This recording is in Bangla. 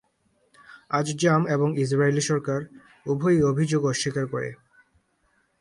আযযাম এবং ইসরায়েলি সরকার উভয়ই অভিযোগ অস্বীকার করে।